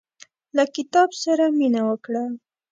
له کتاب سره مينه وکړه.